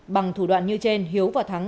bằng thủ đoạn như trên hiếu và thắng